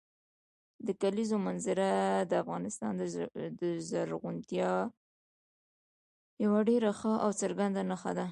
د کلیزو منظره د افغانستان د زرغونتیا یوه ډېره ښه او څرګنده نښه ده.